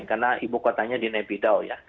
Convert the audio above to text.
karena ibu kotanya di nebidaw